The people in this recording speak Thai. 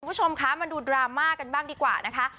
คุณผู้ชมคะมาดูดราม่ากันบ้างดีกว่านะคะ